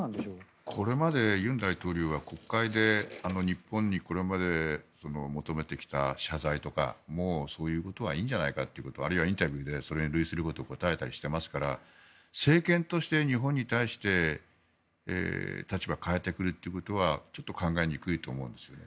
これまで尹大統領は国会で日本にこれまで求めてきた謝罪とかそういうことはいいんじゃないかあるいはインタビューでそれに類することを答えたりしていますから政権として日本に対して立場を変えてくるということはちょっと考えにくいと思うんですね。